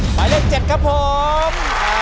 หมายเลข๗ครับผม